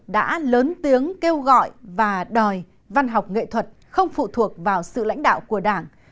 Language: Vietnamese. đã lớn tiếng kêu gọi và đòi văn học nghệ thuật không phụ thuộc vào sự lãnh đạo của đảng